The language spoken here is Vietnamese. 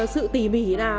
sự tỉ mỉ